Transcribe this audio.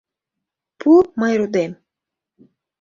— Пу, мый рудем!